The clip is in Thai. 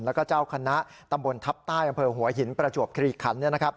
แล้วก็เจ้าคณะตำบลทัพใต้อำเภอหัวหินประจวบคลีคัน